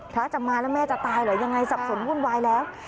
พระจะมาแล้วแม่จะตายเหรอยังไงสับสนวุ่นวายแล้ว